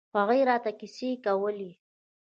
هغوى راته کيسې کولې.